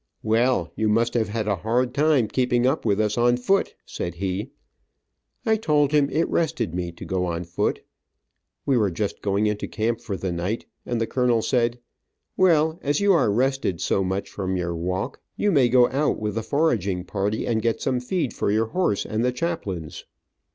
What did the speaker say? "Well, you must have had a hard time keeping up with us on foot," said he. I told him it rested me to go on foot. We were just going into camp for the night, and the colonel said, "Well, as you are rested so much from your walk, you may go out with the foraging party and get some feed for your horse and the chaplain's."